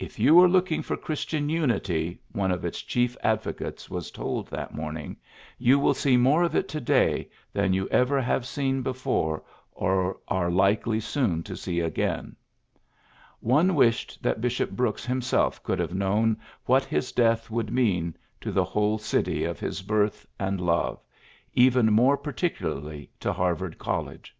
^^If you are look ing for Christian unity, '' one of its chief advocates was told that morning, ^^you will see more of it to day than you ever have seen before or are likely soon to see again. ^' One wished that Bishop Brooks himself could have known what his death would mean to the whole city of his birth PHILLIPS BEOOKS 109 and love, and even more particularly to Harvard College.